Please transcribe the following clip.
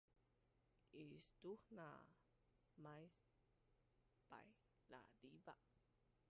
istuhna mais painlaliva